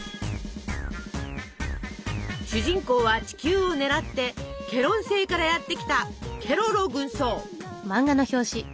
主人公は地球を狙ってケロン星からやって来たケロロ軍曹。